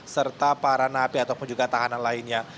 serta para napi ataupun juga tahanan lainnya